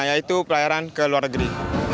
yaitu pelayaran ke luar negeri